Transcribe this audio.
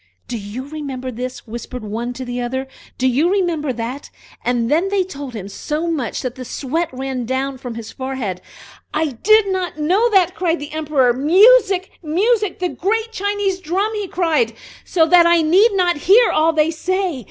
"Do you remember this?" whispered one to the other, "Do you remember that?" and then they told him so much that the sweat ran from his forehead. "I did not know that!" said the Emperor. "Music! music! the great Chinese drum!" he cried, "so that I need not hear all they say!"